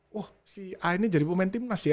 wah si a ini jadi pemain timnas ya